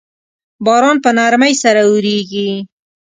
باران په نرمۍ سره اوریږي